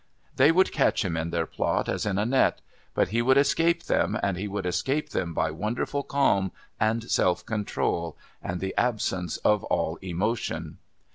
They would catch him in their plot as in a net, but he would escape them, and he would escape them by wonderful calm, and self control, and the absence of all emotion.